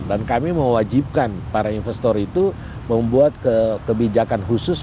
dan kami mewajibkan para investor itu membuat kebijakan khusus